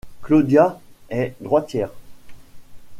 Claudia est droitière.